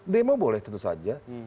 demo boleh tentu saja